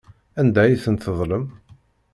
Anda ay tent-tedlem?